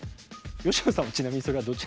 佳乃さんはちなみにそれはどちら？